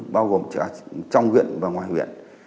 bao gồm trong huyện và ngoài huyện